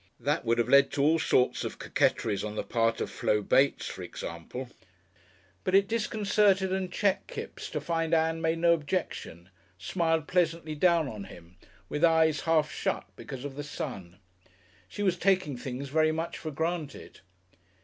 That would have led to all sorts of coquetries on the part of Flo Banks, for example, but it disconcerted and checked Kipps to find Ann made no objection, smiled pleasantly down on him, with eyes half shut because of the sun. She was taking things very much for granted.